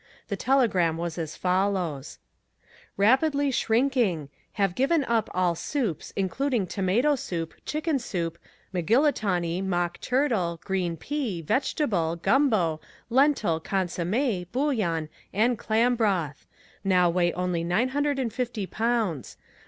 The telegram was as follows: Rapidly shrinking. Have given up all soups, including tomato soup, chicken soup, mulligatawny, mock turtle, green pea, vegetable, gumbo, lentil, consommé, bouillon and clam broth. Now weigh only nine hundred and fifty pounds.